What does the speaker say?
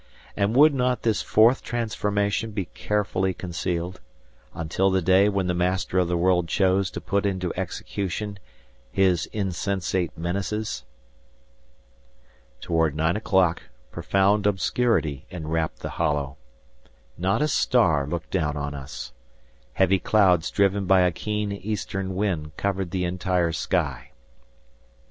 And would not this fourth transformation be carefully concealed, until the day when the Master of the World chose to put into execution his insensate menaces? Toward nine o'clock profound obscurity enwrapped the hollow. Not a star looked down on us. Heavy clouds driven by a keen eastern wind covered the entire sky.